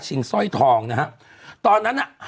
ชิงสร้อยทองนะครับตอนนั้น